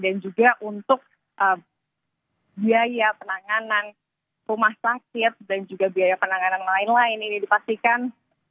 dan juga untuk biaya penanganan rumah sakit dan juga biaya penanganan lain lain ini dipastikan